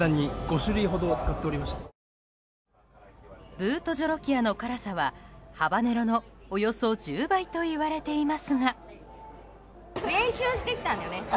ブート・ジョロキアの辛さはハバネロのおよそ１０倍といわれていますが。